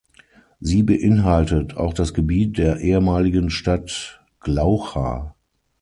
Sie beinhaltet auch das Gebiet der ehemaligen Stadt Glaucha.